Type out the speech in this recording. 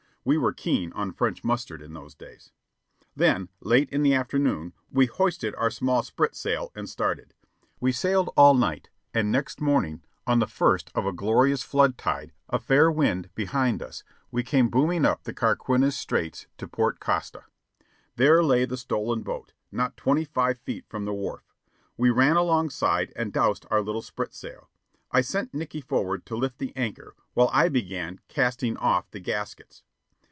(We were keen on French mustard in those days.) Then, late in the afternoon, we hoisted our small spritsail and started. We sailed all night, and next morning, on the first of a glorious flood tide, a fair wind behind us, we came booming up the Carquinez Straits to Port Costa. There lay the stolen boat, not twenty five feet from the wharf. We ran alongside and doused our little spritsail. I sent Nickey forward to lift the anchor, while I began casting off the gaskets.